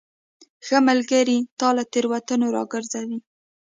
ښه ملګری تا له تیروتنو راګرځوي.